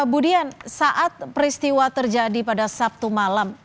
bu dian saat peristiwa terjadi pada sabtu malam